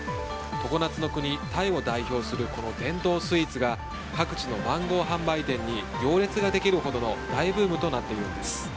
常夏の国、タイを代表するこの伝統スイーツが各地のマンゴー販売店に行列ができるほどの大ブームになっているんです。